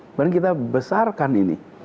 kemudian kita besarkan ini